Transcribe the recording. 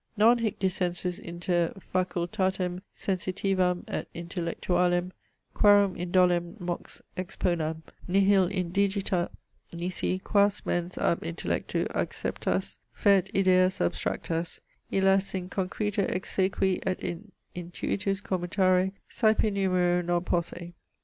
Nam hic dissensus inter facultatem sensitivam et intellectualem, (quarum indolem mox exponam,) nihil indigitat, nisi, quas mens ab intellectu acceptas fert ideas abstractas, illas in concreto exsequi et in intuitus commutare saepenumero non posse.